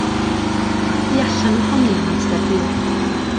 Bu allan ohoni am amser hir.